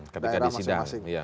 ketika di sidang